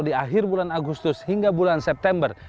di akhir bulan agustus hingga bulan september